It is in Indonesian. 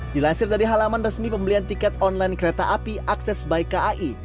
di lansir dari halaman resmi pembelian tiket online kereta api akses by kai